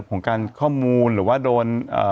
ของการข้อมูลหรือว่าโดน